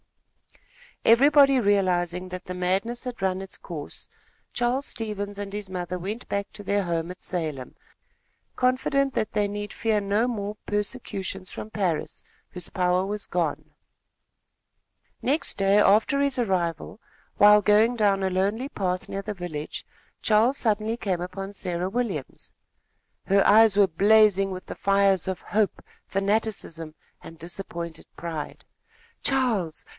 Everybody realizing that the madness had run its course, Charles Stevens and his mother went back to their home at Salem, confident that they need fear no more persecutions from Parris, whose power was gone. [Illustration: George Waters cut stout sticks as crutches.] Next day after his arrival, while going down a lonely path near the village Charles suddenly came upon Sarah Williams. Her eyes were blazing with the fires of hope, fanaticism and disappointed pride. "Charles!